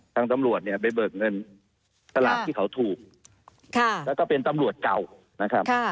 ตำรวจเนี่ยไปเบิกเงินสลากที่เขาถูกแล้วก็เป็นตำรวจเก่านะครับ